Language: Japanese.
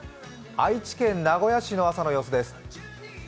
愛知県名古屋市の朝の様子です。